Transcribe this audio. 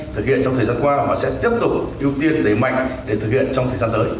thực hiện trong thời gian qua và sẽ tiếp tục ưu tiên đẩy mạnh để thực hiện trong thời gian tới